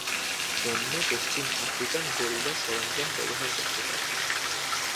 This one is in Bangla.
বন্য পশ্চিম আফ্রিকান গরিলা সরঞ্জাম ব্যবহার করতে পারে।